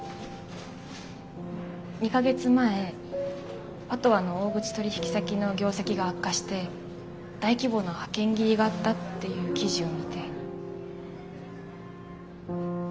２か月前パトワの大口取り引き先の業績が悪化して大規模な派遣切りがあったっていう記事を見て。